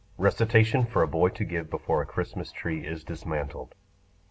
= (Recitation for a boy to give before a Christmas tree is dismantled.)